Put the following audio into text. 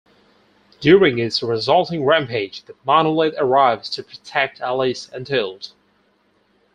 During its resulting rampage The Monolith arrives to protect Alice and Tilt.